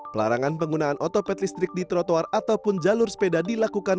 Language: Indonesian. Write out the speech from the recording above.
pelarangan penggunaan otopet listrik di trotoar ataupun jalur sepeda dilakukan